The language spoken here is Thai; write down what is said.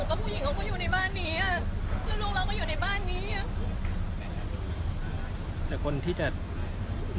ไม่ใช่นี่คือบ้านของคนที่เคยดื่มอยู่หรือเปล่า